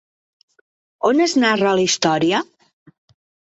On es narra la història?